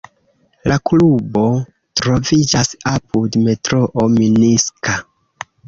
La klubo troviĝas apud metroo Minska.